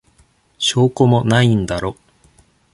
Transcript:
証拠もないんだろ。